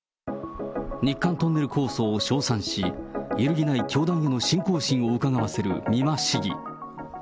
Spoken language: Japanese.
日韓トンネル構想を称賛し、揺るぎない教団への信仰心をうかがわせる美馬市議。